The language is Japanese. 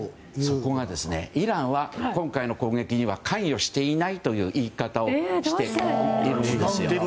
そこがイランは今回の攻撃には関与していないといってるんですよ。